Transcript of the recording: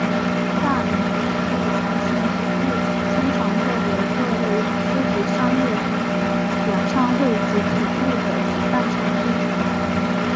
大连体育中心体育场经常作为各类演出及商业演唱会及体育的举办场地。